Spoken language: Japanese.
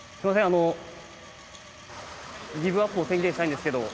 あのギブアップを宣言したいんですけど。